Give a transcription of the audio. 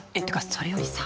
それより？